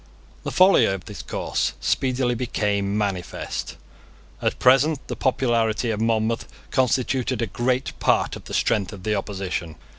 The folly of this course speedily became manifest. At present the popularity of Monmouth constituted a great part of the strength of the opposition.